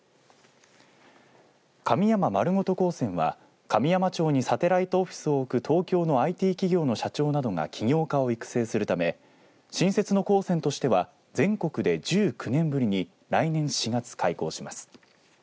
神山まるごと高専は神山町にサテライトオフィスを置く東京のＩＴ企業社長などが起業家を育成するため新設の高専としては全国で１９年ぶりに来年４月開校します。